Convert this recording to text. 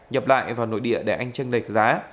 nhập lại vào nội địa để anh tranh lệch giá